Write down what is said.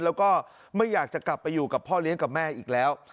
แล้วก็ไม่อยากจะกลับไปอยู่กับพ่อเลี้ยงกับแม่อีกแล้ว